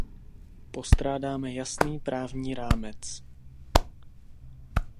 Postrádáme jasný právní rámec.